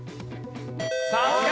さすが！